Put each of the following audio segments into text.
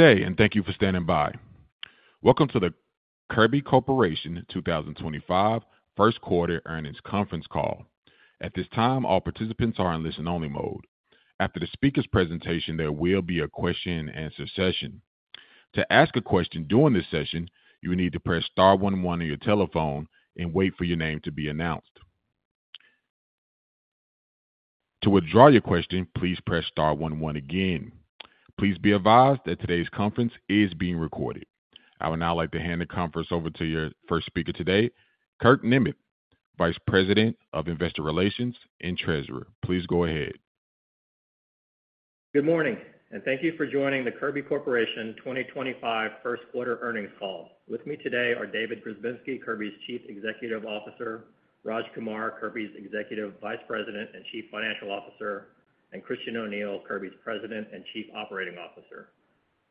Good day, and thank you for standing by. Welcome to the Kirby Corporation 2025 First Quarter Earnings Conference Call. At this time, all participants are in listen-only mode. After the speaker's presentation, there will be a question-and-answer session. To ask a question during this session, you will need to press star one one on your telephone and wait for your name to be announced. To withdraw your question, please press star one one again. Please be advised that today's conference is being recorded. I would now like to hand the conference over to your first speaker today, Kurt Niemietz, Vice President of Investor Relations and Treasurer. Please go ahead. Good morning, and thank you for joining the Kirby Corporation 2025 First Quarter Earnings Call. With me today are David Grzebinski, Kirby's Chief Executive Officer; Raj Kumar, Kirby's Executive Vice President and Chief Financial Officer; and Christian O'Neil, Kirby's President and Chief Operating Officer.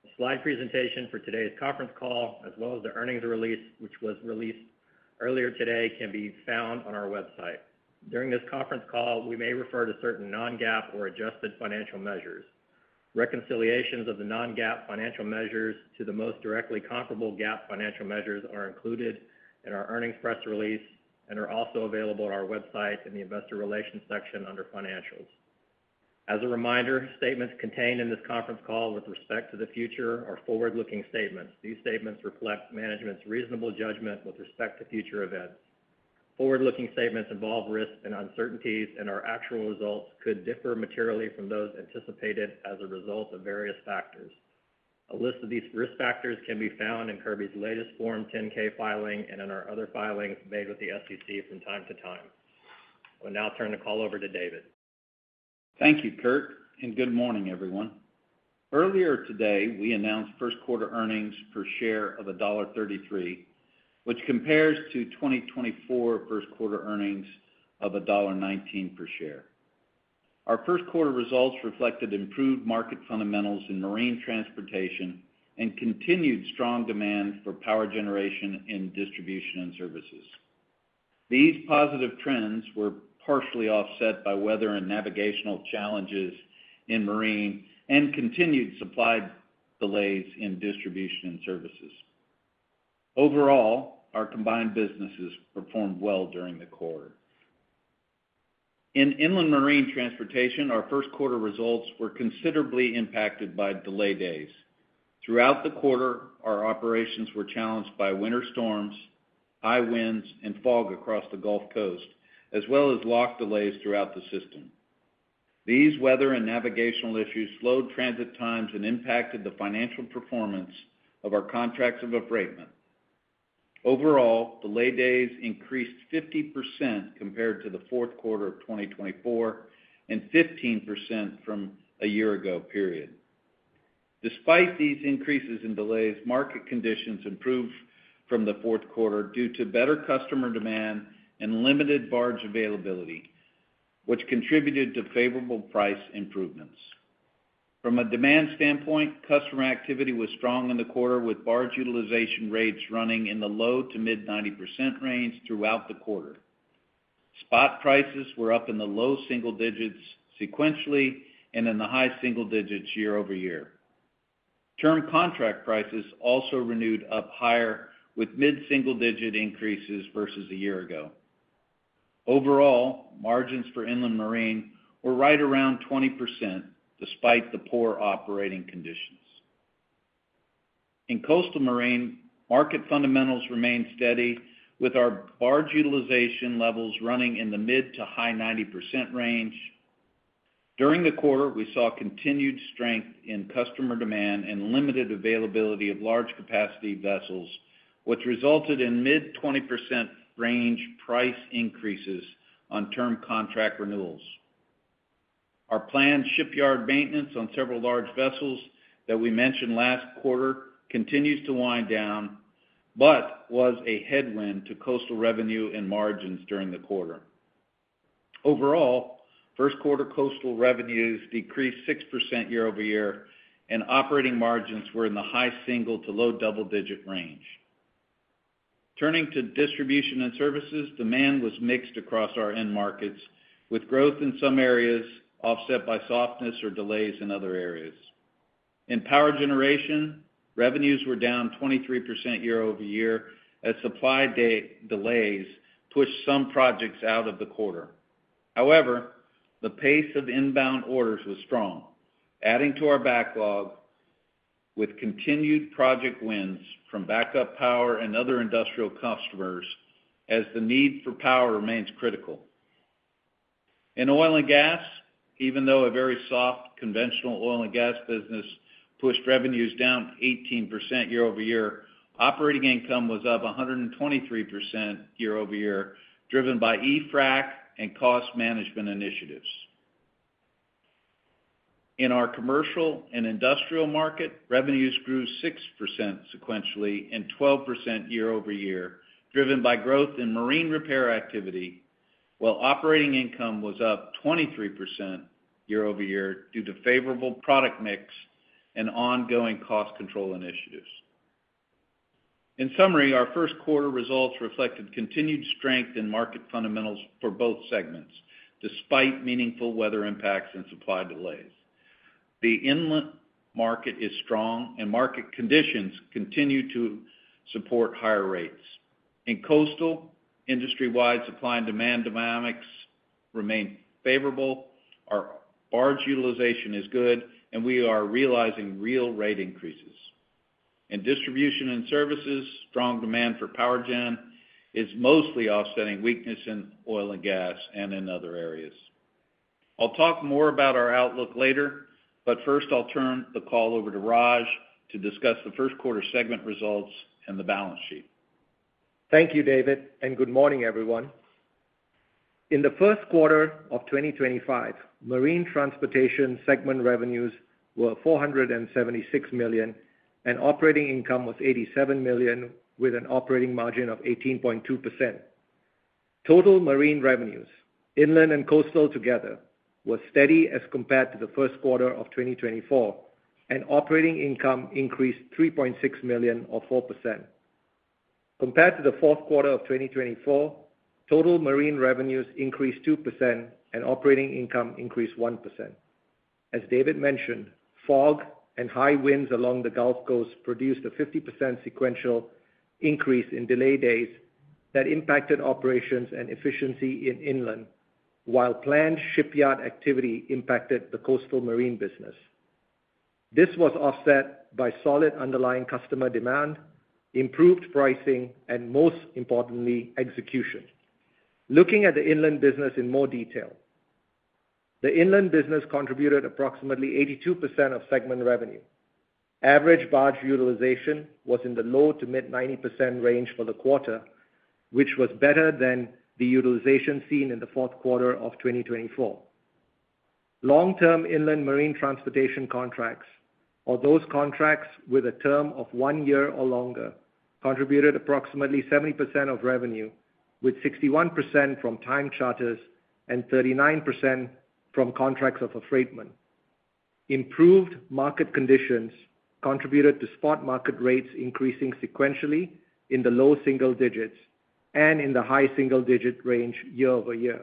The slide presentation for today's conference call, as well as the earnings release, which was released earlier today, can be found on our website. During this conference call, we may refer to certain non-GAAP or adjusted financial measures. Reconciliations of the non-GAAP financial measures to the most directly comparable GAAP financial measures are included in our earnings press release and are also available on our website in the Investor Relations section under Financials. As a reminder, statements contained in this conference call with respect to the future are forward-looking statements. These statements reflect management's reasonable judgment with respect to future events. Forward-looking statements involve risks and uncertainties, and our actual results could differ materially from those anticipated as a result of various factors. A list of these risk factors can be found in Kirby's latest Form 10-K filing and in our other filings made with the SEC from time to time. I will now turn the call over to David. Thank you, Kurt, and good morning, everyone. Earlier today, we announced first-quarter earnings per share of $1.33, which compares to 2024 first-quarter earnings of $1.19 per share. Our first-quarter results reflected improved market fundamentals in marine transportation and continued strong demand for power generation in distribution and services. These positive trends were partially offset by weather and navigational challenges in marine and continued supply delays in distribution and services. Overall, our combined businesses performed well during the quarter. In Inland Marine Transportation, our first-quarter results were considerably impacted by delay days. Throughout the quarter, our operations were challenged by winter storms, high winds, and fog across the Gulf Coast, as well as lock delays throughout the system. These weather and navigational issues slowed transit times and impacted the financial performance of our contracts of affreightment. Overall, delay days increased 50% compared to the fourth quarter of 2024 and 15% from a year ago. Despite these increases in delays, market conditions improved from the fourth quarter due to better customer demand and limited barge availability, which contributed to favorable price improvements. From a demand standpoint, customer activity was strong in the quarter, with barge utilization rates running in the low to mid-90% range throughout the quarter. Spot prices were up in the low single digits sequentially and in the high single digits year-over-year. Term contract prices also renewed up higher, with mid-single digit increases versus a year ago. Overall, margins for inland marine were right around 20% despite the poor operating conditions. In coastal marine, market fundamentals remained steady, with our barge utilization levels running in the mid to high 90% range. During the quarter, we saw continued strength in customer demand and limited availability of large capacity vessels, which resulted in mid-20% range price increases on term contract renewals. Our planned shipyard maintenance on several large vessels that we mentioned last quarter continues to wind down but was a headwind to coastal revenue and margins during the quarter. Overall, first-quarter coastal revenues decreased 6% year-over-year, and operating margins were in the high single to low double-digit range. Turning to distribution and services, demand was mixed across our end markets, with growth in some areas offset by softness or delays in other areas. In power generation, revenues were down 23% year-over-year as supply delays pushed some projects out of the quarter. However, the pace of inbound orders was strong, adding to our backlog, with continued project wins from backup power and other industrial customers as the need for power remains critical. In oil and gas, even though a very soft conventional oil and gas business pushed revenues down 18% year-over-year, operating income was up 123% year-over-year, driven by EFRAC and cost management initiatives. In our commercial and industrial market, revenues grew 6% sequentially and 12% year-over-year, driven by growth in marine repair activity, while operating income was up 23% year-over-year due to favorable product mix and ongoing cost control initiatives. In summary, our first-quarter results reflected continued strength in market fundamentals for both segments despite meaningful weather impacts and supply delays. The inland market is strong, and market conditions continue to support higher rates. In coastal, industry-wide supply and demand dynamics remain favorable, our barge utilization is good, and we are realizing real rate increases. In distribution and services, strong demand for power gen is mostly offsetting weakness in oil and gas and in other areas. I'll talk more about our outlook later, but first, I'll turn the call over to Raj to discuss the first-quarter segment results and the balance sheet. Thank you, David, and good morning, everyone. In the first quarter of 2025, marine transportation segment revenues were $476 million, and operating income was $87 million, with an operating margin of 18.2%. Total marine revenues, inland and coastal together, were steady as compared to the first quarter of 2024, and operating income increased $3.6 million, or 4%. Compared to the fourth quarter of 2024, total marine revenues increased 2%, and operating income increased 1%. As David mentioned, fog and high winds along the Gulf Coast produced a 50% sequential increase in delay days that impacted operations and efficiency in inland, while planned shipyard activity impacted the coastal marine business. This was offset by solid underlying customer demand, improved pricing, and most importantly, execution. Looking at the inland business in more detail, the inland business contributed approximately 82% of segment revenue. Average barge utilization was in the low to mid-90% range for the quarter, which was better than the utilization seen in the fourth quarter of 2024. Long-term inland marine transportation contracts, or those contracts with a term of one year or longer, contributed approximately 70% of revenue, with 61% from time charters and 39% from contracts of affreightment. Improved market conditions contributed to spot market rates increasing sequentially in the low single digits and in the high single digit range year-over-year.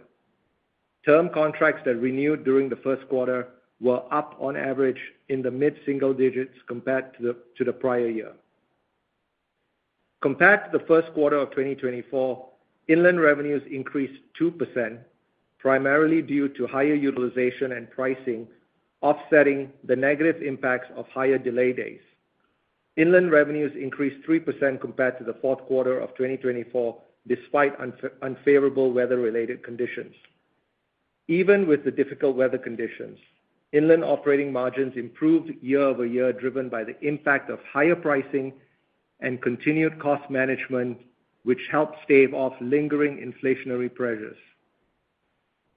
Term contracts that renewed during the first quarter were up on average in the mid-single digits compared to the prior year. Compared to the first quarter of 2024, inland revenues increased 2%, primarily due to higher utilization and pricing, offsetting the negative impacts of higher delay days. Inland revenues increased 3% compared to the fourth quarter of 2024, despite unfavorable weather-related conditions. Even with the difficult weather conditions, inland operating margins improved year-over-year, driven by the impact of higher pricing and continued cost management, which helped stave off lingering inflationary pressures.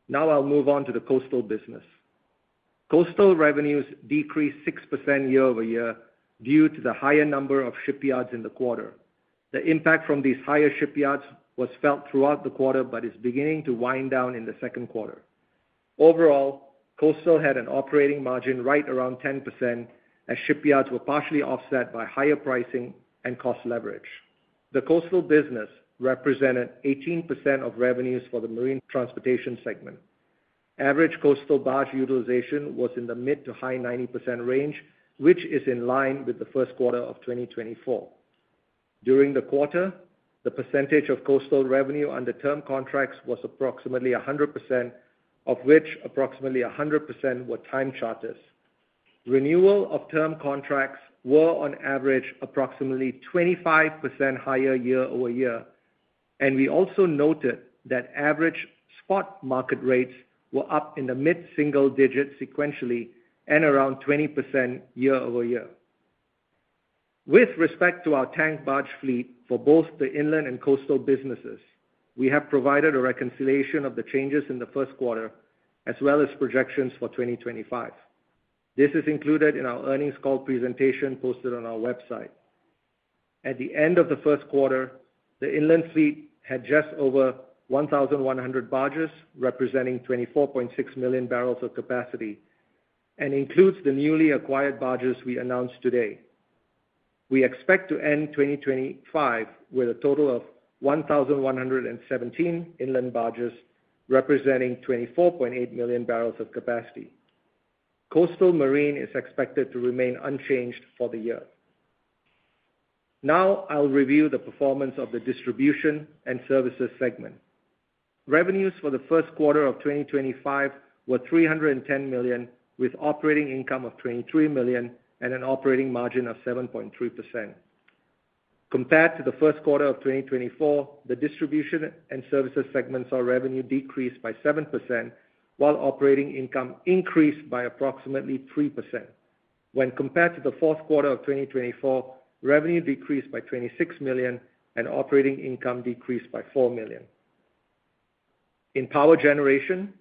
Now I'll move on to the coastal business. Coastal revenues decreased 6% year-over-year due to the higher number of shipyards in the quarter. The impact from these higher shipyards was felt throughout the quarter but is beginning to wind down in the second quarter. Overall, Coastal had an operating margin right around 10%, as shipyards were partially offset by higher pricing and cost leverage. The coastal business represented 18% of revenues for the marine transportation segment. Average coastal barge utilization was in the mid to high 90% range, which is in line with the first quarter of 2024. During the quarter, the percentage of coastal revenue under term contracts was approximately 100%, of which approximately 100% were time charters. Renewal of term contracts were, on average, approximately 25% higher year-over-year, and we also noted that average spot market rates were up in the mid-single digit sequentially and around 20% year-over-year. With respect to our tank barge fleet for both the inland and coastal businesses, we have provided a reconciliation of the changes in the first quarter, as well as projections for 2025. This is included in our earnings call presentation posted on our website. At the end of the first quarter, the inland fleet had just over 1,100 barges, representing 24.6 million barrels of capacity, and includes the newly acquired barges we announced today. We expect to end 2025 with a total of 1,117 inland barges, representing 24.8 million barrels of capacity. Coastal marine is expected to remain unchanged for the year. Now I'll review the performance of the distribution and services segment. Revenues for the first quarter of 2025 were $310 million, with operating income of $23 million and an operating margin of 7.3%. Compared to the first quarter of 2024, the distribution and services segments saw revenue decrease by 7%, while operating income increased by approximately 3%. When compared to the fourth quarter of 2024, revenue decreased by $26 million, and operating income decreased by $4 million. In power generation,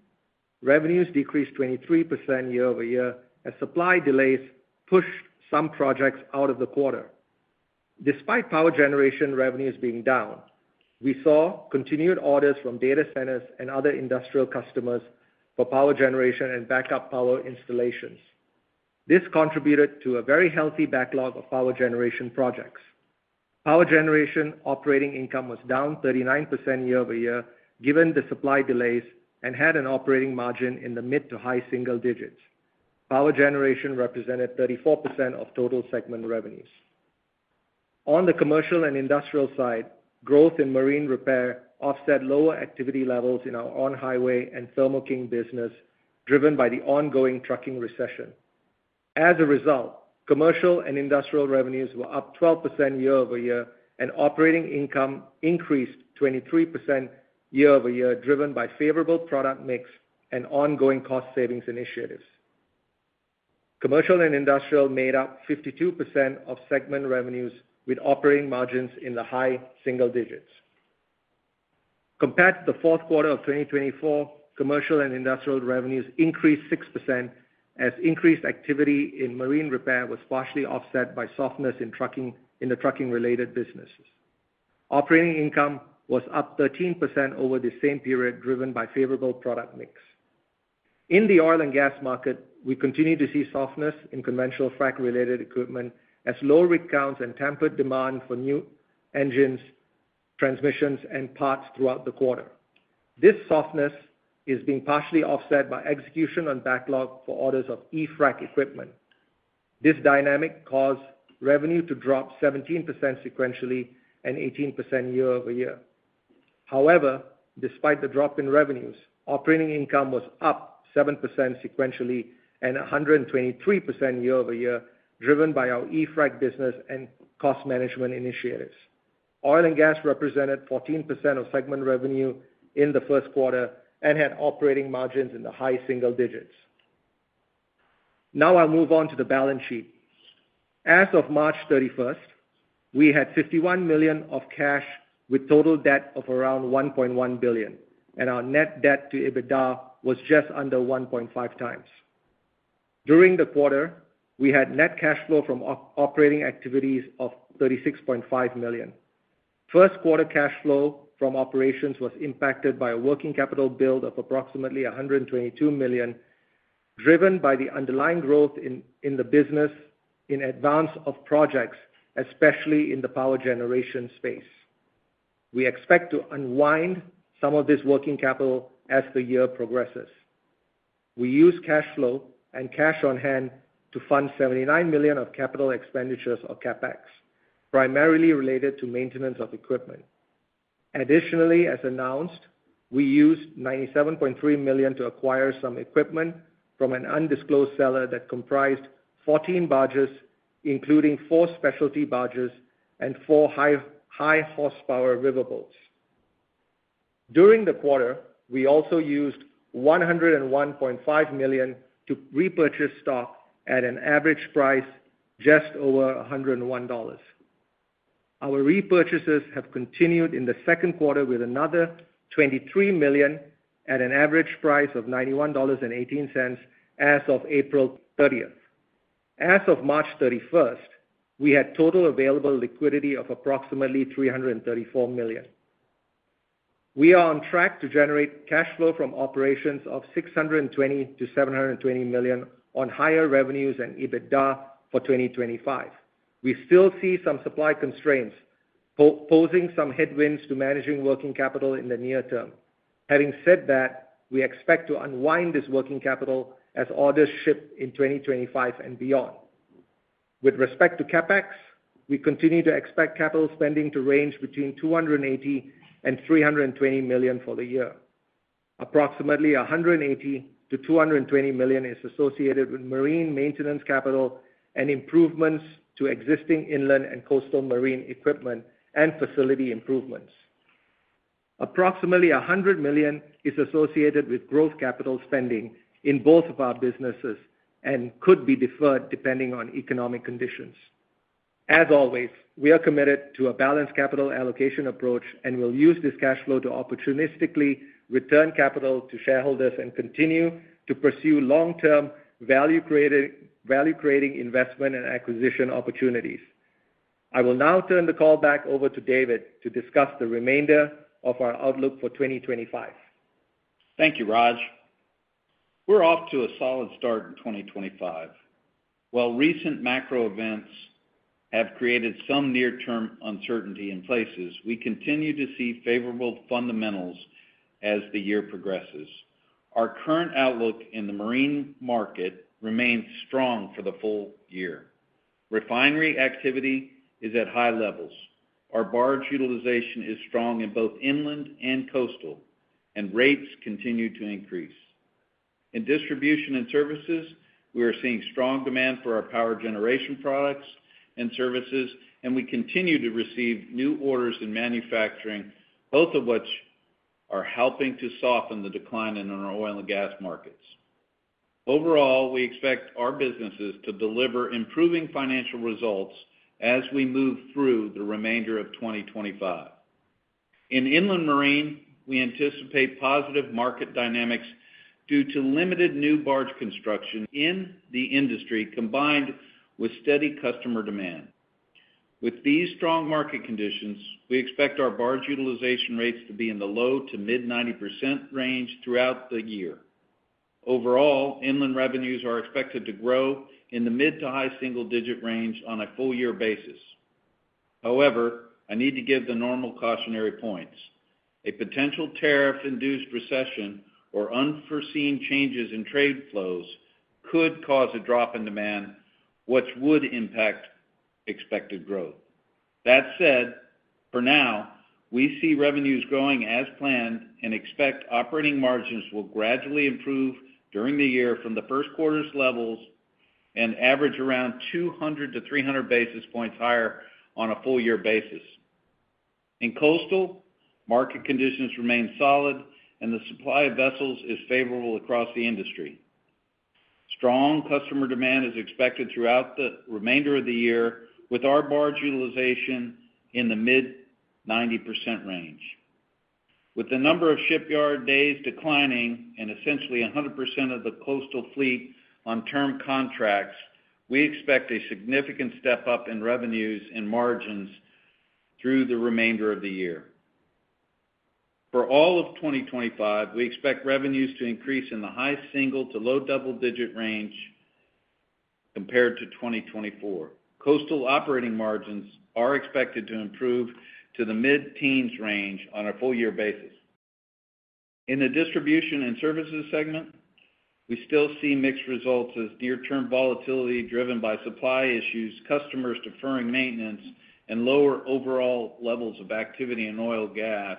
revenues decreased 23% year-over-year, as supply delays pushed some projects out of the quarter. Despite power generation revenues being down, we saw continued orders from data centers and other industrial customers for power generation and backup power installations. This contributed to a very healthy backlog of power generation projects. Power generation operating income was down 39% year-over-year, given the supply delays, and had an operating margin in the mid to high single digits. Power generation represented 34% of total segment revenues. On the commercial and industrial side, growth in marine repair offset lower activity levels in our on-highway and Thermo King business, driven by the ongoing trucking recession. As a result, commercial and industrial revenues were up 12% year-over-year, and operating income increased 23% year-over-year, driven by favorable product mix and ongoing cost savings initiatives. Commercial and industrial made up 52% of segment revenues, with operating margins in the high single digits. Compared to the fourth quarter of 2024, commercial and industrial revenues increased 6%, as increased activity in marine repair was partially offset by softness in the trucking-related businesses. Operating income was up 13% over the same period, driven by favorable product mix. In the oil and gas market, we continue to see softness in conventional frac-related equipment, as low rig counts and tampered demand for new engines, transmissions, and parts throughout the quarter. This softness is being partially offset by execution on backlog for orders of EFRAC equipment. This dynamic caused revenue to drop 17% sequentially and 18% year-over-year. However, despite the drop in revenues, operating income was up 7% sequentially and 123% year-over-year, driven by our EFRAC business and cost management initiatives. Oil and gas represented 14% of segment revenue in the first quarter and had operating margins in the high single digits. Now I'll move on to the balance sheet. As of March 31, we had $51 million of cash, with total debt of around $1.1 billion, and our net debt to EBITDA was just under 1.5 times. During the quarter, we had net cash flow from operating activities of $36.5 million. First-quarter cash flow from operations was impacted by a working capital build of approximately $122 million, driven by the underlying growth in the business in advance of projects, especially in the power generation space. We expect to unwind some of this working capital as the year progresses. We use cash flow and cash on hand to fund $79 million of capital expenditures, or CapEx, primarily related to maintenance of equipment. Additionally, as announced, we used $97.3 million to acquire some equipment from an undisclosed seller that comprised 14 barges, including four specialty barges and four high-horsepower riverboats. During the quarter, we also used $101.5 million to repurchase stock at an average price just over $101. Our repurchases have continued in the second quarter with another $23 million at an average price of $91.18 as of April 30th. As of March 31st, we had total available liquidity of approximately $334 million. We are on track to generate cash flow from operations of $620-$720 million on higher revenues and EBITDA for 2025. We still see some supply constraints, posing some headwinds to managing working capital in the near term. Having said that, we expect to unwind this working capital as orders ship in 2025 and beyond. With respect to CapEx, we continue to expect capital spending to range between $280-$320 million for the year. Approximately $180-$220 million is associated with marine maintenance capital and improvements to existing inland and coastal marine equipment and facility improvements. Approximately $100 million is associated with growth capital spending in both of our businesses and could be deferred depending on economic conditions. As always, we are committed to a balanced capital allocation approach and will use this cash flow to opportunistically return capital to shareholders and continue to pursue long-term value-creating investment and acquisition opportunities. I will now turn the call back over to David to discuss the remainder of our outlook for 2025. Thank you, Raj. We're off to a solid start in 2025. While recent macro events have created some near-term uncertainty in places, we continue to see favorable fundamentals as the year progresses. Our current outlook in the marine market remains strong for the full year. Refinery activity is at high levels. Our barge utilization is strong in both inland and coastal, and rates continue to increase. In distribution and services, we are seeing strong demand for our power generation products and services, and we continue to receive new orders in manufacturing, both of which are helping to soften the decline in our oil and gas markets. Overall, we expect our businesses to deliver improving financial results as we move through the remainder of 2025. In inland marine, we anticipate positive market dynamics due to limited new barge construction in the industry, combined with steady customer demand. With these strong market conditions, we expect our barge utilization rates to be in the low to mid-90% range throughout the year. Overall, inland revenues are expected to grow in the mid to high single-digit range on a full-year basis. However, I need to give the normal cautionary points. A potential tariff-induced recession or unforeseen changes in trade flows could cause a drop in demand, which would impact expected growth. That said, for now, we see revenues growing as planned and expect operating margins will gradually improve during the year from the first quarter's levels and average around 200 to 300 basis points higher on a full-year basis. In coastal, market conditions remain solid, and the supply of vessels is favorable across the industry. Strong customer demand is expected throughout the remainder of the year, with our barge utilization in the mid-90% range. With the number of shipyard days declining and essentially 100% of the coastal fleet on term contracts, we expect a significant step up in revenues and margins through the remainder of the year. For all of 2025, we expect revenues to increase in the high single to low double-digit range compared to 2024. Coastal operating margins are expected to improve to the mid-teens range on a full-year basis. In the distribution and services segment, we still see mixed results as near-term volatility driven by supply issues, customers deferring maintenance, and lower overall levels of activity in oil and gas,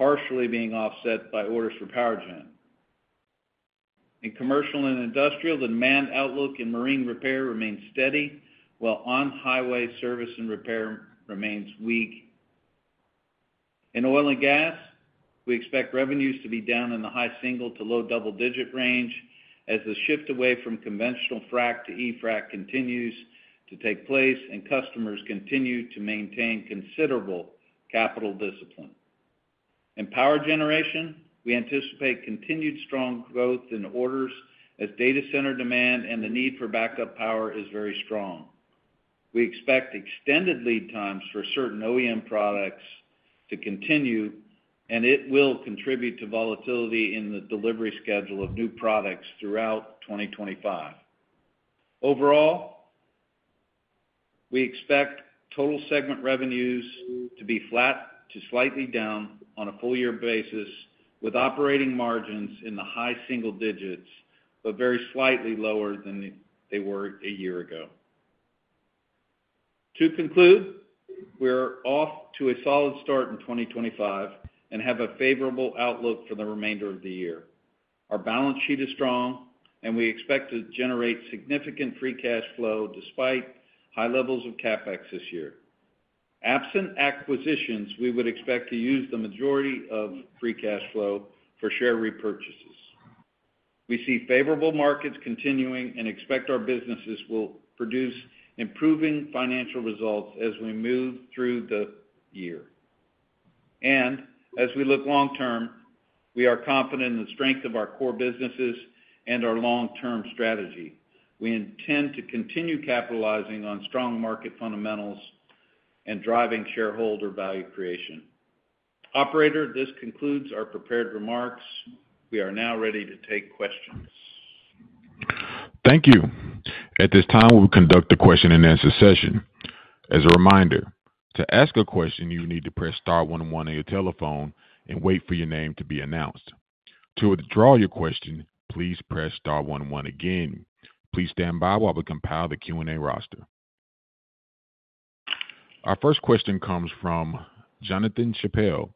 partially being offset by orders for power gen. In commercial and industrial, the demand outlook in marine repair remains steady, while on-highway service and repair remains weak. In oil and gas, we expect revenues to be down in the high single to low double-digit range as the shift away from conventional frac to EFRAC continues to take place and customers continue to maintain considerable capital discipline. In power generation, we anticipate continued strong growth in orders as data center demand and the need for backup power is very strong. We expect extended lead times for certain OEM products to continue, and it will contribute to volatility in the delivery schedule of new products throughout 2025. Overall, we expect total segment revenues to be flat to slightly down on a full-year basis, with operating margins in the high single digits, but very slightly lower than they were a year ago. To conclude, we're off to a solid start in 2025 and have a favorable outlook for the remainder of the year. Our balance sheet is strong, and we expect to generate significant free cash flow despite high levels of CapEx this year. Absent acquisitions, we would expect to use the majority of free cash flow for share repurchases. We see favorable markets continuing and expect our businesses will produce improving financial results as we move through the year. As we look long-term, we are confident in the strength of our core businesses and our long-term strategy. We intend to continue capitalizing on strong market fundamentals and driving shareholder value creation. Operator, this concludes our prepared remarks. We are now ready to take questions. Thank you. At this time, we will conduct the question-and-answer session. As a reminder, to ask a question, you need to press star one one on your telephone and wait for your name to be announced. To withdraw your question, please press star one one again. Please stand by while we compile the Q&A roster. Our first question comes from Jonathan Chappell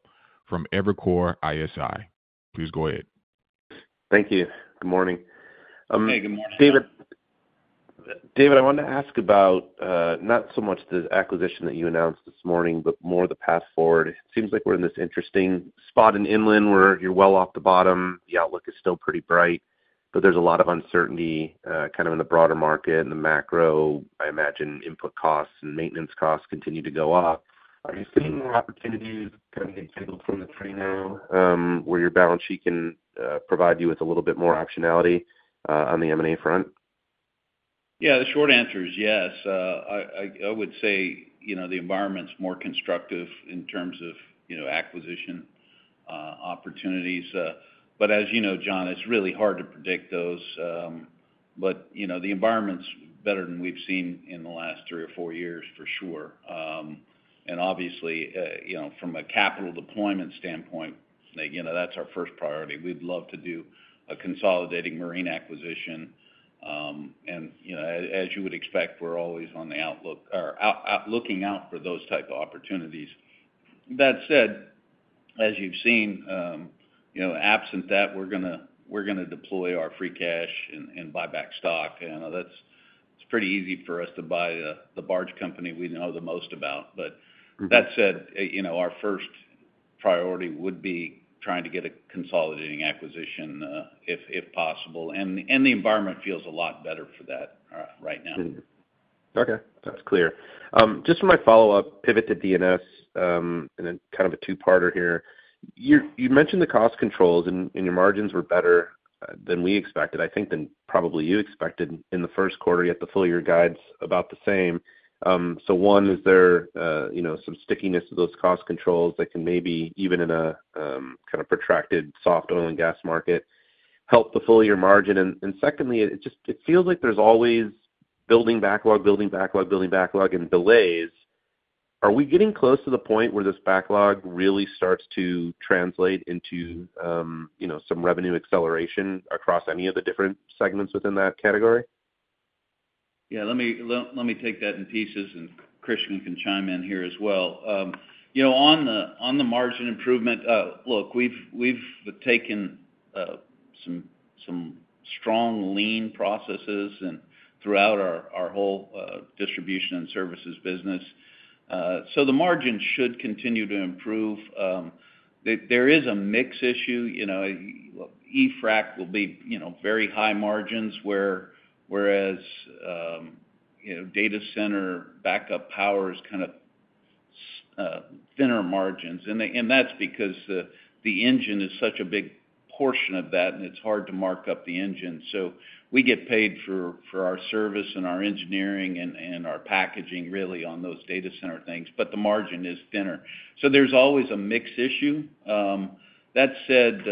from Evercore ISI. Please go ahead. Thank you. Good morning. Hey, good morning. David, I wanted to ask about not so much the acquisition that you announced this morning, but more the path forward. It seems like we're in this interesting spot in inland where you're well off the bottom. The outlook is still pretty bright, but there's a lot of uncertainty kind of in the broader market and the macro. I imagine input costs and maintenance costs continue to go up. Are you seeing more opportunities kind of being signaled from the tree now where your balance sheet can provide you with a little bit more optionality on the M&A front? Yeah, the short answer is yes. I would say the environment's more constructive in terms of acquisition opportunities. As you know, John, it's really hard to predict those. The environment's better than we've seen in the last three or four years, for sure. Obviously, from a capital deployment standpoint, that's our first priority. We'd love to do a consolidating marine acquisition. As you would expect, we're always looking out for those types of opportunities. That said, as you've seen, absent that, we're going to deploy our free cash and buy back stock. It's pretty easy for us to buy the barge company we know the most about. That said, our first priority would be trying to get a consolidating acquisition if possible. The environment feels a lot better for that right now. Okay. That's clear. Just for my follow-up, pivot to D&S and then kind of a two-parter here. You mentioned the cost controls, and your margins were better than we expected, I think, than probably you expected in the first quarter. You had the full-year guides about the same. One, is there some stickiness to those cost controls that can maybe, even in a kind of protracted soft oil and gas market, help the full-year margin? Secondly, it feels like there's always building backlog, building backlog, building backlog, and delays. Are we getting close to the point where this backlog really starts to translate into some revenue acceleration across any of the different segments within that category? Yeah, let me take that in pieces, and Christian can chime in here as well. On the margin improvement, look, we've taken some strong lean processes throughout our whole distribution and services business. The margin should continue to improve. There is a mix issue. EFRAC will be very high margins, whereas data center backup power is kind of thinner margins. That is because the engine is such a big portion of that, and it's hard to mark up the engine. We get paid for our service and our engineering and our packaging, really, on those data center things, but the margin is thinner. There is always a mix issue. That said,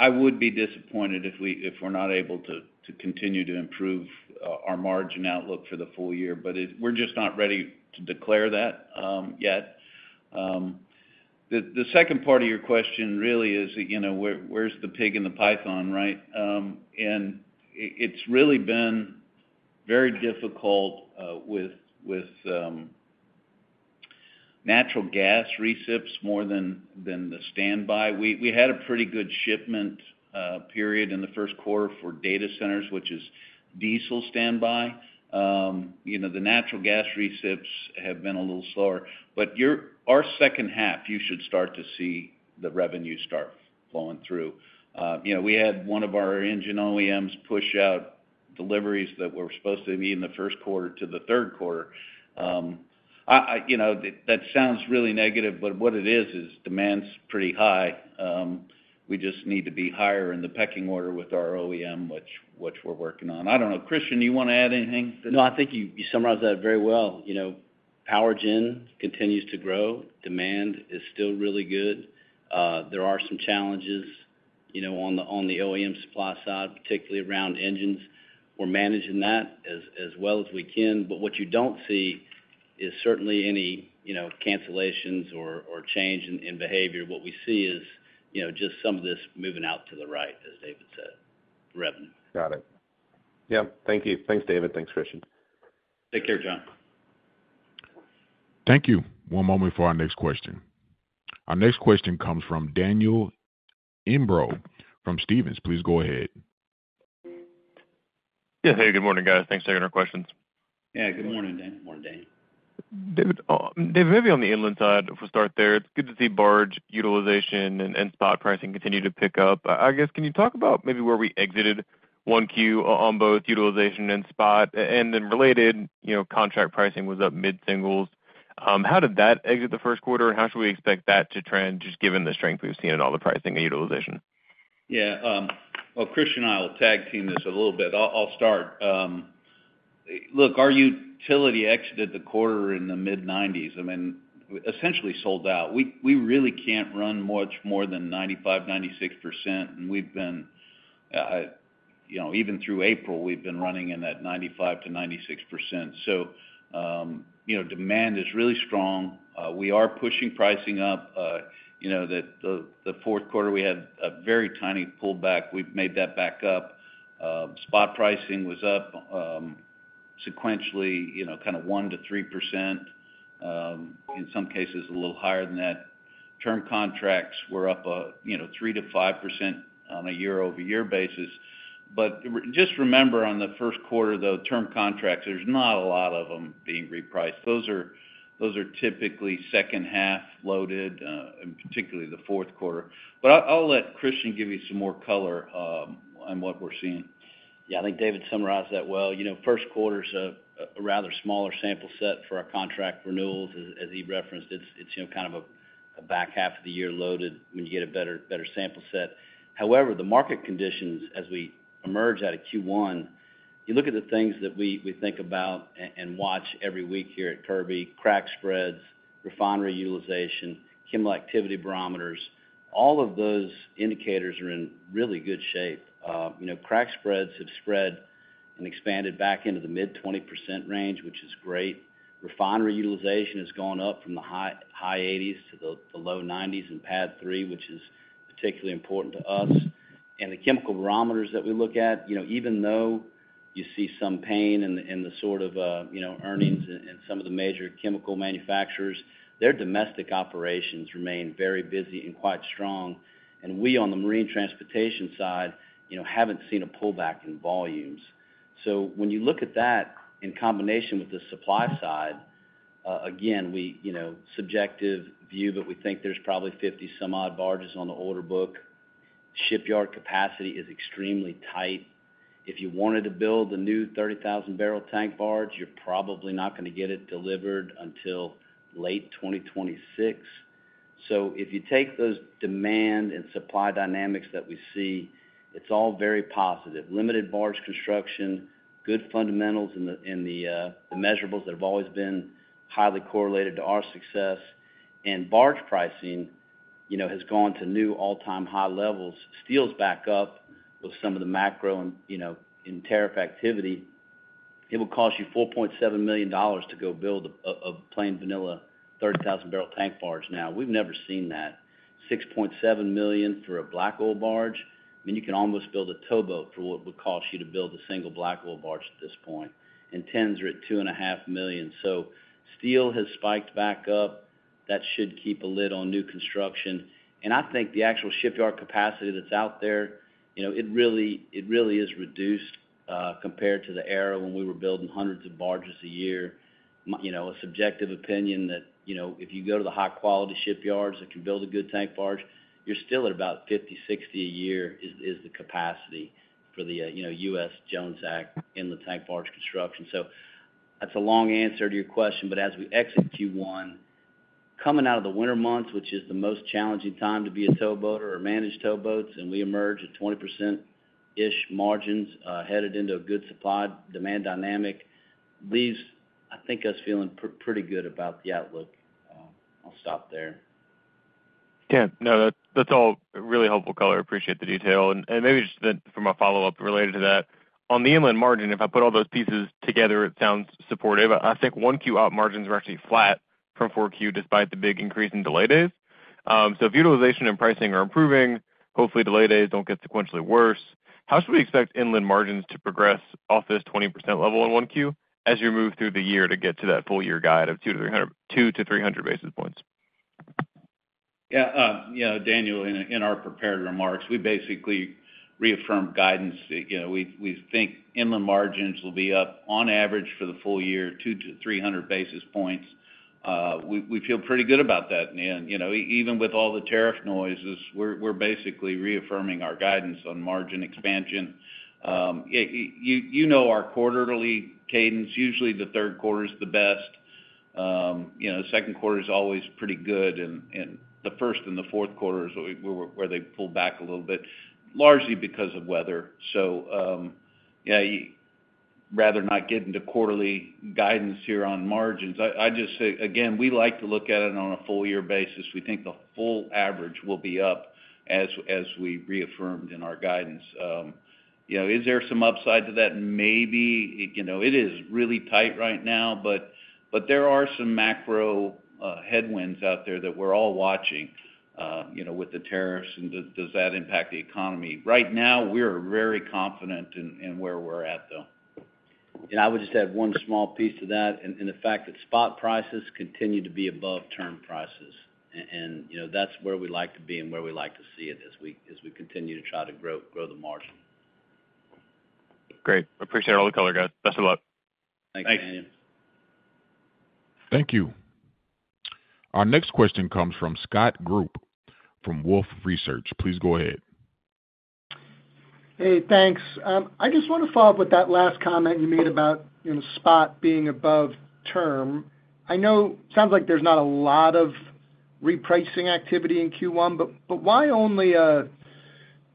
I would be disappointed if we're not able to continue to improve our margin outlook for the full year, but we're just not ready to declare that yet. The second part of your question really is, where's the pig in the python, right? It's really been very difficult with natural gas recipes more than the standby. We had a pretty good shipment period in the first quarter for data centers, which is diesel standby. The natural gas recipes have been a little slower. Our second half, you should start to see the revenue start flowing through. We had one of our engine OEMs push out deliveries that were supposed to be in the first quarter to the third quarter. That sounds really negative, but what it is, is demand's pretty high. We just need to be higher in the pecking order with our OEM, which we're working on. I don't know. Christian, do you want to add anything? No, I think you summarized that very well. Power gen continues to grow. Demand is still really good. There are some challenges on the OEM supply side, particularly around engines. We're managing that as well as we can. What you don't see is certainly any cancellations or change in behavior. What we see is just some of this moving out to the right, as David said, revenue. Got it. Yeah. Thank you. Thanks, David. Thanks, Christian. Take care, John. Thank you. One moment for our next question. Our next question comes from Daniel Imbro from Stephens. Please go ahead. Yeah. Hey, good morning, guys. Thanks for taking our questions. Good morning, Daniel. David, maybe on the inland side, if we start there, it's good to see barge utilization and spot pricing continue to pick up. I guess, can you talk about maybe where we exited one Q on both utilization and spot? And then related, contract pricing was up mid-singles. How did that exit the first quarter, and how should we expect that to trend, just given the strength we've seen in all the pricing and utilization? Yeah. Christian and I will tag team this a little bit. I'll start. Look, our utility exited the quarter in the mid-90s. I mean, essentially sold out. We really can't run much more than 95-96%. I mean, we've been, even through April, we've been running in that 95-96%. Demand is really strong. We are pushing pricing up. The fourth quarter, we had a very tiny pullback. We've made that back up. Spot pricing was up sequentially, kind of 1-3%, in some cases a little higher than that. Term contracts were up 3-5% on a year-over-year basis. Just remember, on the first quarter, the term contracts, there's not a lot of them being repriced. Those are typically second half loaded, particularly the fourth quarter. I'll let Christian give you some more color on what we're seeing. Yeah, I think David summarized that well. First quarter's a rather smaller sample set for our contract renewals, as he referenced. It's kind of a back half of the year loaded when you get a better sample set. However, the market conditions, as we emerge out of Q1, you look at the things that we think about and watch every week here at Kirby, crack spreads, refinery utilization, chemical activity barometers. All of those indicators are in really good shape. Crack spreads have spread and expanded back into the mid-20% range, which is great. Refinery utilization has gone up from the high 80s to the low 90s in PADD 3, which is particularly important to us. The chemical barometers that we look at, even though you see some pain in the sort of earnings in some of the major chemical manufacturers, their domestic operations remain very busy and quite strong. We on the marine transportation side have not seen a pullback in volumes. When you look at that in combination with the supply side, again, subjective view, but we think there are probably 50-some-odd barges on the order book. Shipyard capacity is extremely tight. If you wanted to build a new 30,000-barrel tank barge, you are probably not going to get it delivered until late 2026. If you take those demand and supply dynamics that we see, it is all very positive. Limited barge construction, good fundamentals in the measurables that have always been highly correlated to our success. Barge pricing has gone to new all-time high levels; steel is back up with some of the macro and tariff activity. It will cost you $4.7 million to go build a plain vanilla 30,000-barrel tank barge now. We've never seen that. $6.7 million for a black oil barge. I mean, you can almost build a tow boat for what it would cost you to build a single black oil barge at this point. And tens are at $2.5 million. Steel has spiked back up. That should keep a lid on new construction. I think the actual shipyard capacity that's out there, it really is reduced compared to the era when we were building hundreds of barges a year. A subjective opinion that if you go to the high-quality shipyards that can build a good tank barge, you're still at about 50-60 a year is the capacity for the U.S. Jones Act in the tank barge construction. That is a long answer to your question. As we exit Q1, coming out of the winter months, which is the most challenging time to be a towboater or manage tow boats, and we emerge at 20%-ish margins headed into a good supply demand dynamic, leaves, I think, us feeling pretty good about the outlook. I'll stop there. Yeah. No, that's all really helpful, Color. Appreciate the detail. Maybe just from a follow-up related to that, on the inland margin, if I put all those pieces together, it sounds supportive. I think Q1 margins are actually flat from Q4 despite the big increase in delay days. If utilization and pricing are improving, hopefully delay days do not get sequentially worse, how should we expect inland margins to progress off this 20% level in Q1 as you move through the year to get to that full-year guide of 200-300 basis points? Yeah. Daniel, in our prepared remarks, we basically reaffirmed guidance. We think inland margins will be up on average for the full year, 200-300 basis points. We feel pretty good about that. Even with all the tariff noises, we're basically reaffirming our guidance on margin expansion. You know our quarterly cadence. Usually, the third quarter's the best. Second quarter's always pretty good. The first and the fourth quarter is where they pull back a little bit, largely because of weather. Rather not get into quarterly guidance here on margins. I just say, again, we like to look at it on a full-year basis. We think the full average will be up as we reaffirmed in our guidance. Is there some upside to that? Maybe. It is really tight right now, but there are some macro headwinds out there that we're all watching with the tariffs. Does that impact the economy? Right now, we're very confident in where we're at, though. I would just add one small piece to that and the fact that spot prices continue to be above term prices. That is where we like to be and where we like to see it as we continue to try to grow the margin. Great. Appreciate all the color, guys. Best of luck. Thanks, Daniel. Thank you. Our next question comes from Scott Group from Wolfe Research. Please go ahead. Hey, thanks. I just want to follow up with that last comment you made about spot being above term. I know it sounds like there's not a lot of repricing activity in Q1, but why only a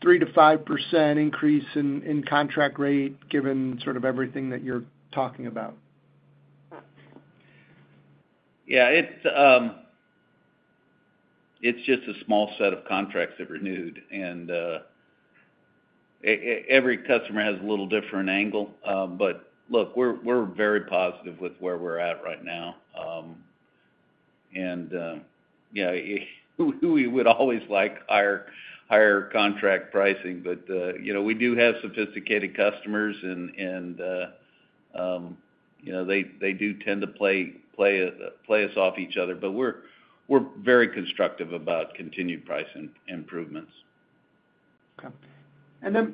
3-5% increase in contract rate given sort of everything that you're talking about? Yeah. It's just a small set of contracts that are renewed. Every customer has a little different angle. Look, we're very positive with where we're at right now. Yeah, we would always like higher contract pricing, but we do have sophisticated customers, and they do tend to play us off each other. We're very constructive about continued price improvements. Okay.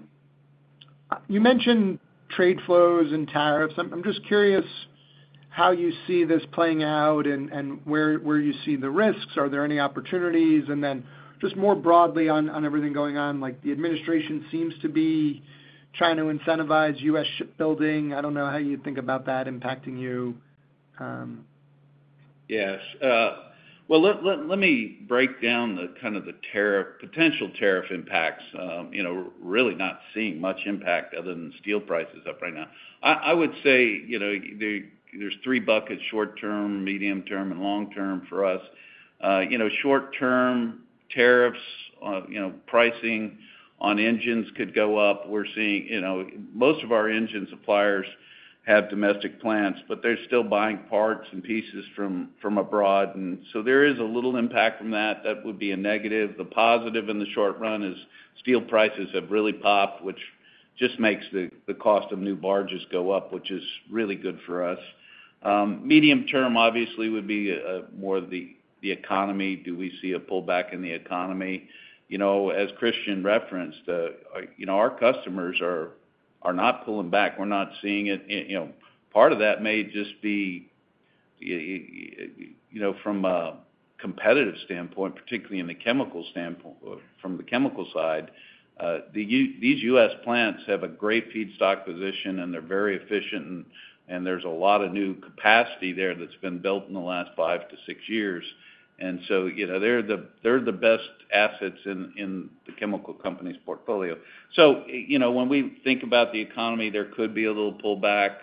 You mentioned trade flows and tariffs. I'm just curious how you see this playing out and where you see the risks. Are there any opportunities? Just more broadly on everything going on, the administration seems to be trying to incentivize U.S. shipbuilding. I don't know how you think about that impacting you. Yes. Let me break down kind of the potential tariff impacts. Really not seeing much impact other than steel prices up right now. I would say there are three buckets: short term, medium term, and long term for us. Short term tariffs, pricing on engines could go up. We're seeing most of our engine suppliers have domestic plants, but they're still buying parts and pieces from abroad. There is a little impact from that. That would be a negative. The positive in the short run is steel prices have really popped, which just makes the cost of new barges go up, which is really good for us. Medium term, obviously, would be more of the economy. Do we see a pullback in the economy? As Christian referenced, our customers are not pulling back. We're not seeing it. Part of that may just be from a competitive standpoint, particularly in the chemical standpoint from the chemical side. These U.S. plants have a great feedstock position, and they're very efficient. There is a lot of new capacity there that has been built in the last five to six years. They are the best assets in the chemical company's portfolio. When we think about the economy, there could be a little pullback.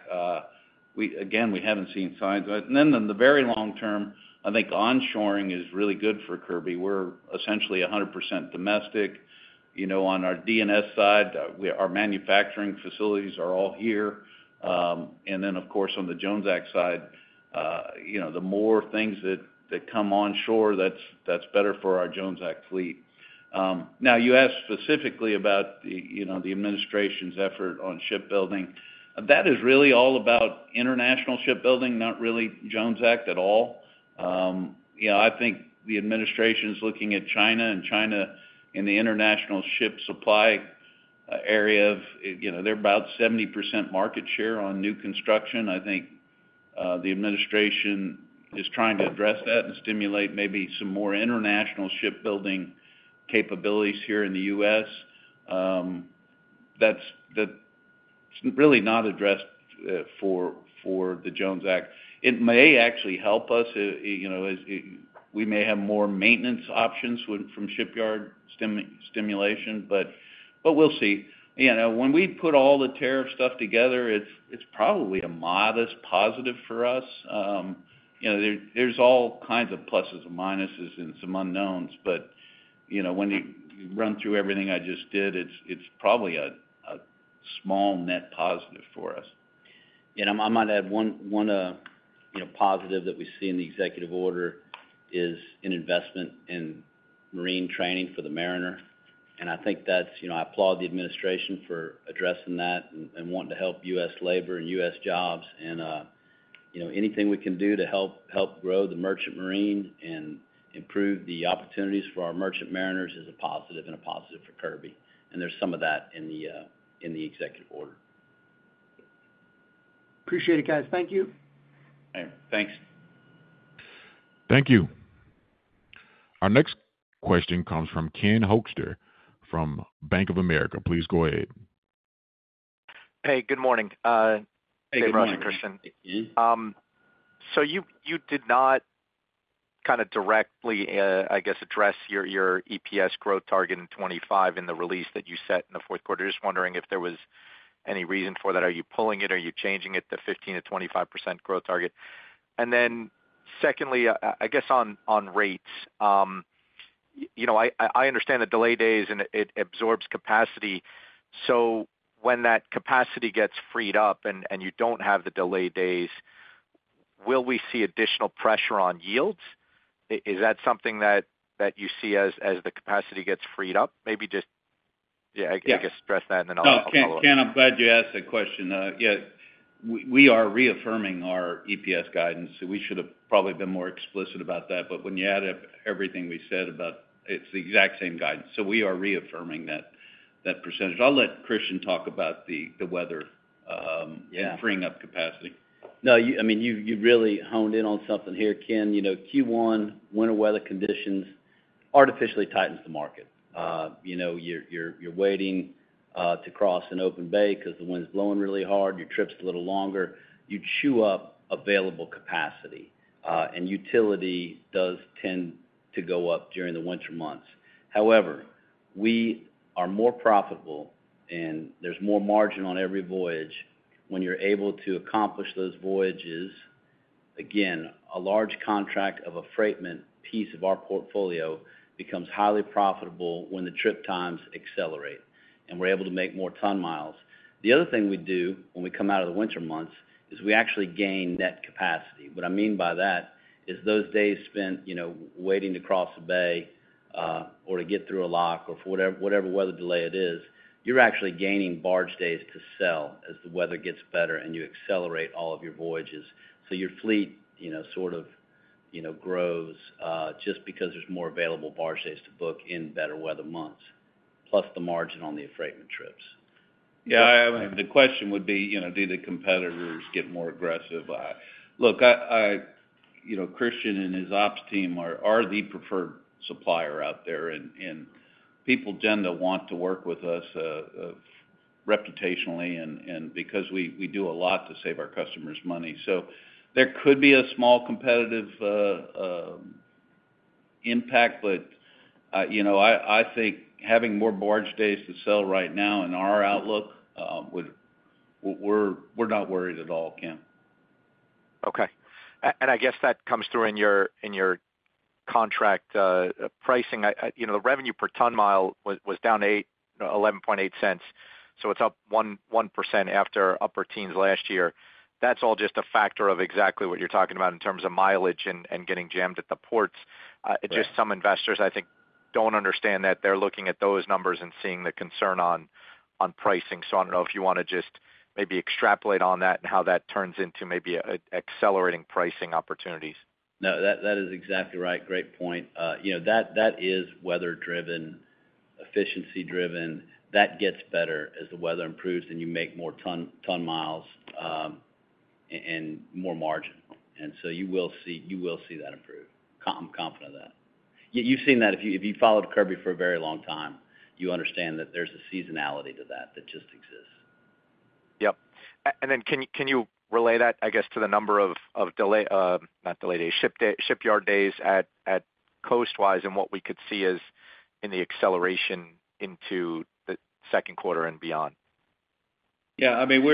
Again, we haven't seen signs of it. In the very long term, I think onshoring is really good for Kirby. We're essentially 100% domestic. On our DNS side, our manufacturing facilities are all here. Of course, on the Jones Act side, the more things that come onshore, that's better for our Jones Act fleet. You asked specifically about the administration's effort on shipbuilding. That is really all about international shipbuilding, not really Jones Act at all. I think the administration is looking at China, and China in the international ship supply area, they're about 70% market share on new construction. I think the administration is trying to address that and stimulate maybe some more international shipbuilding capabilities here in the U.S. That's really not addressed for the Jones Act. It may actually help us. We may have more maintenance options from shipyard stimulation, but we'll see. When we put all the tariff stuff together, it's probably a modest positive for us. There's all kinds of pluses and minuses and some unknowns. When you run through everything I just did, it's probably a small net positive for us. I might add one positive that we see in the executive order is an investment in marine training for the mariner. I think that's, I applaud the administration for addressing that and wanting to help U.S. labor and U.S. jobs. Anything we can do to help grow the merchant marine and improve the opportunities for our merchant mariners is a positive and a positive for Kirby. There's some of that in the executive order. Appreciate it, guys. Thank you. Thanks. Thank you. Our next question comes from Ken Hoexter from Bank of America. Please go ahead. Hey, good morning. Hey, good morning, Christian. You did not kind of directly, I guess, address your EPS growth target in 2025 in the release that you set in the fourth quarter. Just wondering if there was any reason for that. Are you pulling it? Are you changing it to 15%-25% growth target? Secondly, I guess on rates, I understand the delay days, and it absorbs capacity. When that capacity gets freed up and you do not have the delay days, will we see additional pressure on yields? Is that something that you see as the capacity gets freed up? Maybe just, yeah, I guess address that and then I will follow up. No, Ken, I'm glad you asked that question. Yeah. We are reaffirming our EPS guidance. We should have probably been more explicit about that. When you add up everything, we said about it, it's the exact same guidance. We are reaffirming that %. I'll let Christian talk about the weather and freeing up capacity. No, I mean, you really homed in on something here, Ken. Q1, winter weather conditions artificially tightens the market. You're waiting to cross an open bay because the wind's blowing really hard. Your trip's a little longer. You chew up available capacity. And utility does tend to go up during the winter months. However, we are more profitable, and there's more margin on every voyage. When you're able to accomplish those voyages, again, a large contract of affreightment piece of our portfolio becomes highly profitable when the trip times accelerate, and we're able to make more ton miles. The other thing we do when we come out of the winter months is we actually gain net capacity. What I mean by that is those days spent waiting to cross a bay or to get through a lock or for whatever weather delay it is, you're actually gaining barge days to sell as the weather gets better, and you accelerate all of your voyages. Your fleet sort of grows just because there's more available barge days to book in better weather months, plus the margin on the affreightment trips. Yeah. The question would be, do the competitors get more aggressive? Look, Christian and his ops team are the preferred supplier out there. People tend to want to work with us reputationally and because we do a lot to save our customers money. There could be a small competitive impact, but I think having more barge days to sell right now in our outlook, we're not worried at all, Ken. Okay. I guess that comes through in your contract pricing. The revenue per ton mile was down 11.8 cents. It is up 1% after upper teens last year. That is all just a factor of exactly what you are talking about in terms of mileage and getting jammed at the ports. Just some investors, I think, do not understand that. They are looking at those numbers and seeing the concern on pricing. I do not know if you want to just maybe extrapolate on that and how that turns into maybe accelerating pricing opportunities. No, that is exactly right. Great point. That is weather-driven, efficiency-driven. That gets better as the weather improves, and you make more ton miles and more margin. You will see that improve. I'm confident of that. You have seen that. If you followed Kirby for a very long time, you understand that there is a seasonality to that that just exists. Yep. Can you relay that, I guess, to the number of delay days, shipyard days at coastwise and what we could see as in the acceleration into the second quarter and beyond? Yeah. I mean,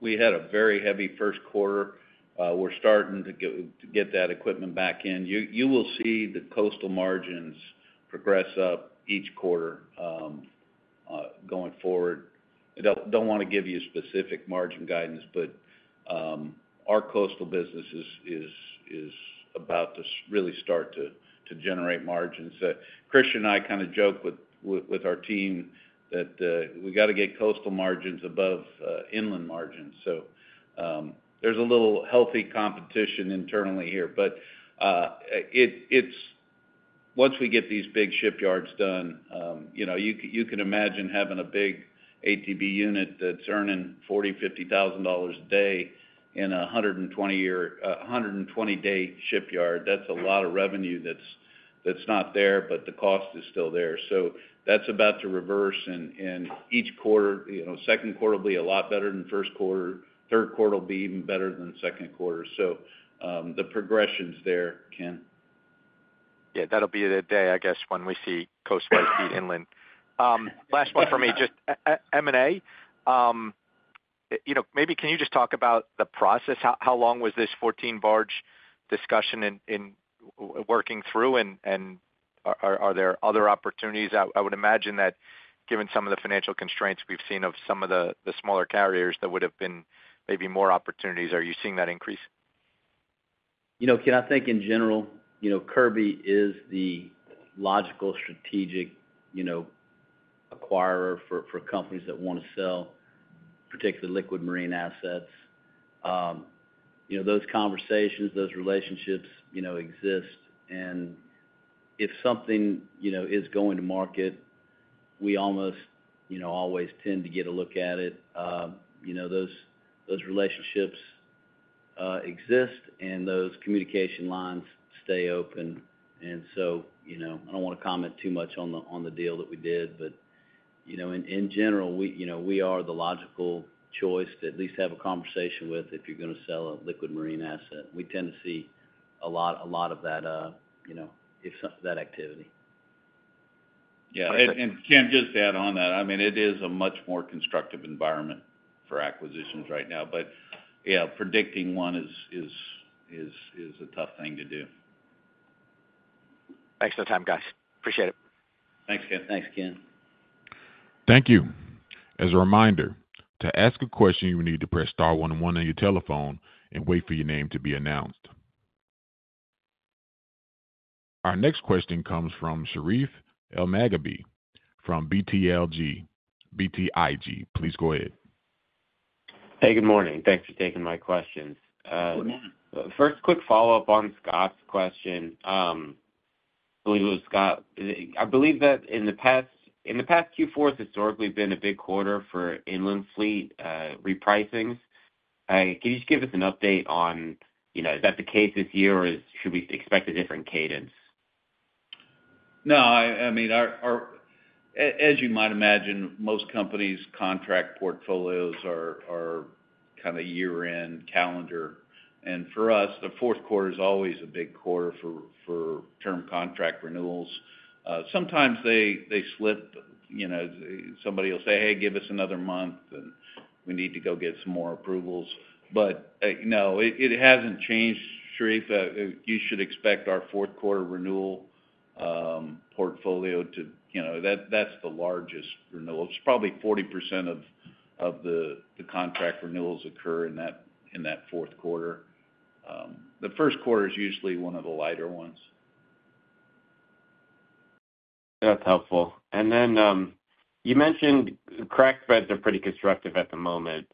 we had a very heavy first quarter. We're starting to get that equipment back in. You will see the coastal margins progress up each quarter going forward. I don't want to give you specific margin guidance, but our coastal business is about to really start to generate margins. Christian and I kind of joke with our team that we got to get coastal margins above inland margins. There is a little healthy competition internally here. Once we get these big shipyards done, you can imagine having a big ATB unit that's earning $40,000-$50,000 a day in a 120-day shipyard. That's a lot of revenue that's not there, but the cost is still there. That's about to reverse in each quarter. Second quarter will be a lot better than first quarter. Third quarter will be even better than second quarter. The progression's there, Ken. Yeah. That'll be the day, I guess, when we see coastwise beat inland. Last one for me, just M&A. Maybe can you just talk about the process? How long was this 14-barge discussion in working through? Are there other opportunities? I would imagine that given some of the financial constraints we've seen of some of the smaller carriers that would have been maybe more opportunities, are you seeing that increase? Can I think in general? Kirby is the logical strategic acquirer for companies that want to sell, particularly liquid marine assets. Those conversations, those relationships exist. If something is going to market, we almost always tend to get a look at it. Those relationships exist, and those communication lines stay open. I do not want to comment too much on the deal that we did. In general, we are the logical choice to at least have a conversation with if you're going to sell a liquid marine asset. We tend to see a lot of that activity. Yeah. Ken, just to add on that, I mean, it is a much more constructive environment for acquisitions right now. Yeah, predicting one is a tough thing to do. Thanks for the time, guys. Appreciate it. Thanks, Ken. Thanks, Ken. Thank you. As a reminder, to ask a question, you will need to press star one one on your telephone and wait for your name to be announced. Our next question comes from Sharif Elmaghrabi from BTIG. Please go ahead. Hey, good morning. Thanks for taking my questions. First, quick follow-up on Scott's question. I believe it was Scott. I believe that in the past, Q4 has historically been a big quarter for inland fleet repricing. Can you just give us an update on is that the case this year, or should we expect a different cadence? No, I mean, as you might imagine, most companies' contract portfolios are kind of year-end calendar. For us, the fourth quarter is always a big quarter for term contract renewals. Sometimes they slip. Somebody will say, "Hey, give us another month," and we need to go get some more approvals. No, it hasn't changed, Sharif. You should expect our fourth quarter renewal portfolio to that's the largest renewal. It's probably 40% of the contract renewals occur in that fourth quarter. The first quarter is usually one of the lighter ones. That's helpful. You mentioned crack spreads are pretty constructive at the moment.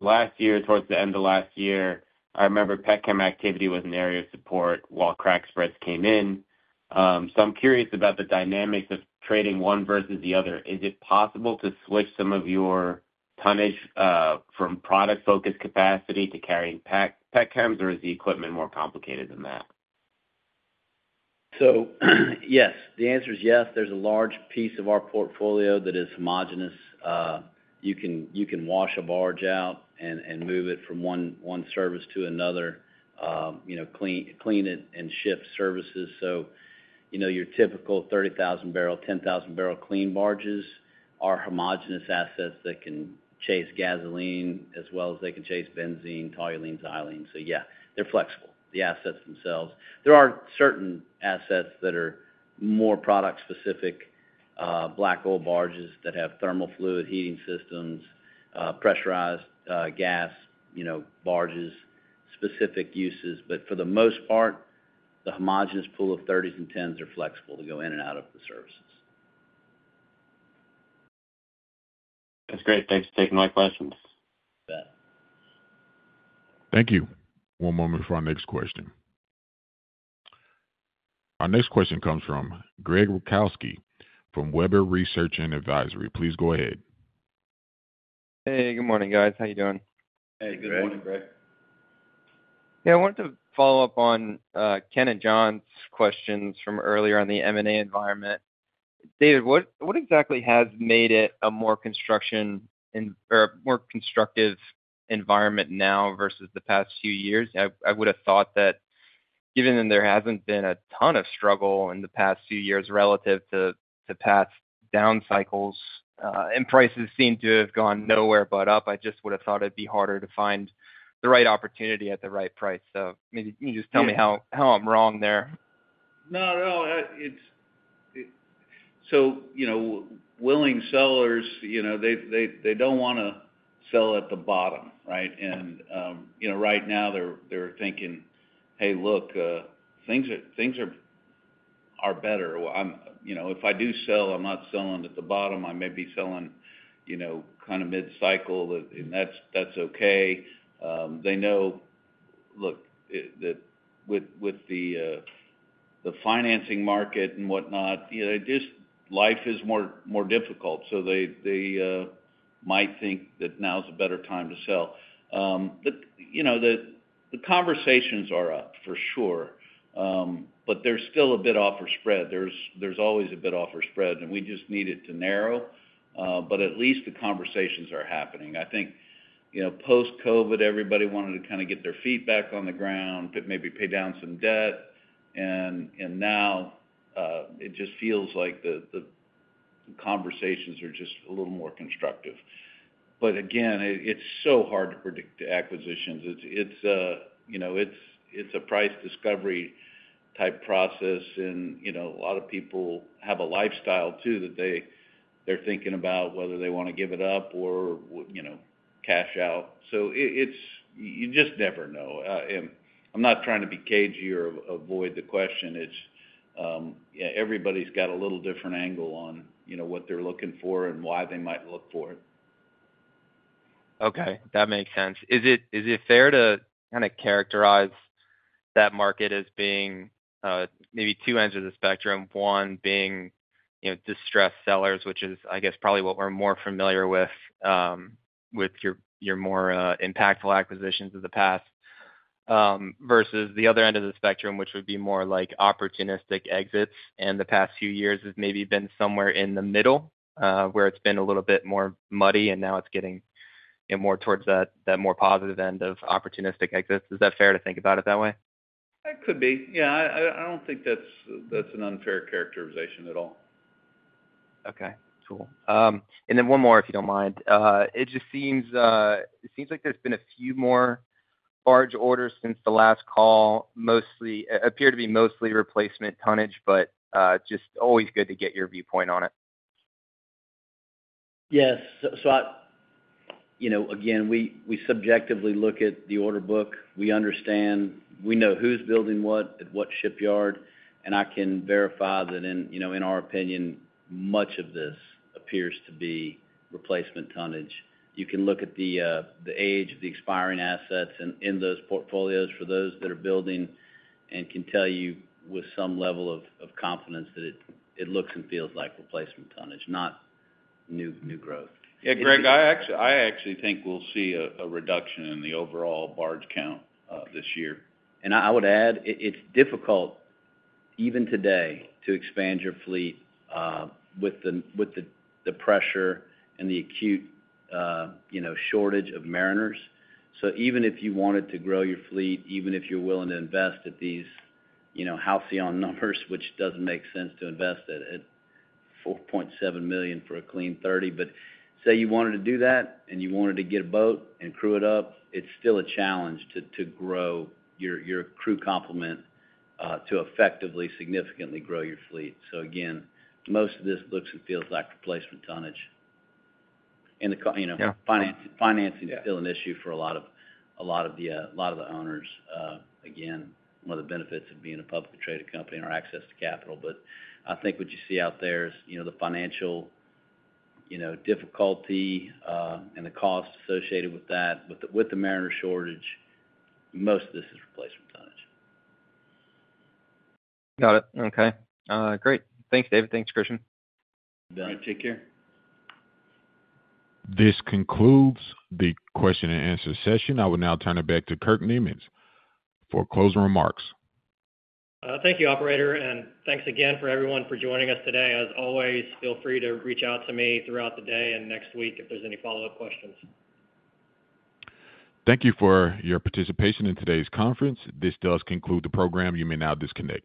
Last year, towards the end of last year, I remember petchems activity was an area of support while crack spreads came in. I'm curious about the dynamics of trading one versus the other. Is it possible to switch some of your tonnage from product-focused capacity to carrying petchems, or is the equipment more complicated than that? Yes, the answer is yes. There's a large piece of our portfolio that is homogenous. You can wash a barge out and move it from one service to another, clean it, and shift services. Your typical 30,000-barrel, 10,000-barrel clean barges are homogenous assets that can chase gasoline as well as they can chase Benzene, Toluene, Xylene. Yeah, they're flexible, the assets themselves. There are certain assets that are more product-specific, black oil barges that have thermal fluid heating systems, pressurized gas barges, specific uses. For the most part, the homogenous pool of 30s and 10s are flexible to go in and out of the services. That's great. Thanks for taking my questions. Bet. Thank you. One moment for our next question. Our next question comes from Greg Badishkanian from Wolfe Research and Advisory. Please go ahead. Hey, good morning, guys. How you doing? Hey, good morning, Greg. Hey, I wanted to follow up on Ken and John's questions from earlier on the M&A environment. David, what exactly has made it a more constructive environment now versus the past few years? I would have thought that given that there hasn't been a ton of struggle in the past few years relative to past down cycles and prices seem to have gone nowhere but up, I just would have thought it'd be harder to find the right opportunity at the right price. Maybe you can just tell me how I'm wrong there. No, no. So willing sellers, they don't want to sell at the bottom, right? Right now, they're thinking, "Hey, look, things are better. If I do sell, I'm not selling at the bottom. I may be selling kind of mid-cycle, and that's okay." They know, look, that with the financing market and whatnot, life is more difficult. They might think that now is a better time to sell. The conversations are up for sure, but there's still a bid-offer spread. There's always a bid-offer spread, and we just need it to narrow. At least the conversations are happening. I think post-COVID, everybody wanted to kind of get their feet back on the ground, maybe pay down some debt. Now, it just feels like the conversations are just a little more constructive. Again, it's so hard to predict acquisitions. It's a price discovery type process. A lot of people have a lifestyle too that they're thinking about whether they want to give it up or cash out. You just never know. I'm not trying to be cagey or avoid the question. Everybody's got a little different angle on what they're looking for and why they might look for it. Okay. That makes sense. Is it fair to kind of characterize that market as being maybe two ends of the spectrum, one being distressed sellers, which is, I guess, probably what we're more familiar with with your more impactful acquisitions of the past, versus the other end of the spectrum, which would be more like opportunistic exits? The past few years has maybe been somewhere in the middle where it's been a little bit more muddy, and now it's getting more towards that more positive end of opportunistic exits. Is that fair to think about it that way? It could be. Yeah. I don't think that's an unfair characterization at all. Okay. Cool. And then one more, if you don't mind. It just seems like there's been a few more barge orders since the last call, appear to be mostly replacement tonnage, but just always good to get your viewpoint on it. Yes. Again, we subjectively look at the order book. We understand. We know who's building what at what shipyard. I can verify that in our opinion, much of this appears to be replacement tonnage. You can look at the age of the expiring assets in those portfolios for those that are building and can tell you with some level of confidence that it looks and feels like replacement tonnage, not new growth. [crosstal] Yeah. Greg, I actually think we'll see a reduction in the overall barge count this year. I would add, it's difficult even today to expand your fleet with the pressure and the acute shortage of mariners. Even if you wanted to grow your fleet, even if you're willing to invest at these halcyon numbers, which doesn't make sense to invest at $4.7 million for a clean 30, but say you wanted to do that and you wanted to get a boat and crew it up, it's still a challenge to grow your crew complement to effectively significantly grow your fleet. Most of this looks and feels like replacement tonnage. Financing is still an issue for a lot of the owners. One of the benefits of being a publicly traded company is our access to capital. I think what you see out there is the financial difficulty and the cost associated with that, with the mariner shortage, most of this is replacement tonnage. Got it. Okay. Great. Thanks, David. Thanks, Christian. All right. Take care. This concludes the question-and-answer session. I will now turn it back to Kurt Niemietz for closing remarks. Thank you, operator. Thanks again for everyone for joining us today. As always, feel free to reach out to me throughout the day and next week if there's any follow-up questions. Thank you for your participation in today's conference. This does conclude the program. You may now disconnect.